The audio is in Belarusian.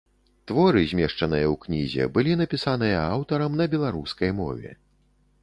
Творы, змешчаныя ў кнізе, былі напісаныя аўтарам на беларускай мове.